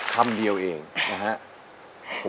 คำเดียวเองนะฮะ